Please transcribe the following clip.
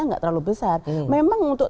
nggak terlalu besar memang untuk